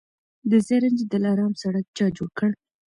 د زرنج دلارام سړک چا جوړ کړ؟